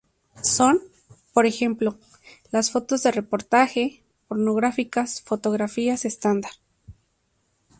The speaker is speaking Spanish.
Son, por ejemplo, las fotos de reportaje, pornográficas, fotografías estándar.